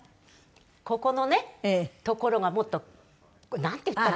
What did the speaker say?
ここのねところがもっとこれなんて言ったらいい？